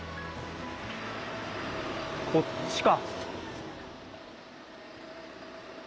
こっちか。